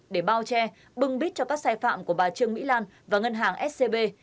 để bao che bưng bít cho các sai phạm của bà trương mỹ lan và ngân hàng scb